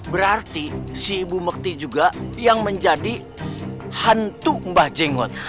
berarti si ibu mekti juga yang menjadi hantu mbah jenggot